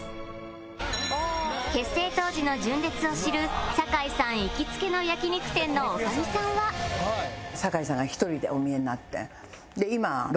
結成当時の純烈を知る酒井さん行きつけの焼き肉店の女将さんはって感じで。